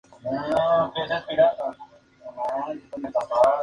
Otros proyectos fallidos fueron el autocine Canadiense en Sevilla, el autocine de Granada.